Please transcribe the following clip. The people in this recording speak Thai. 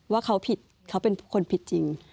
ว่าเขาผิดเขาเป็นคนผิดจริง